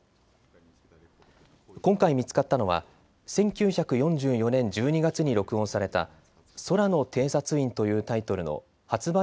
今回見つかったのは１９４４年１２月に録音された空の偵察員というタイトルの発売